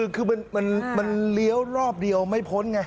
คือมันเลี้ยวรอบเดียวไม่พ้นไง